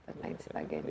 dan lain sebagainya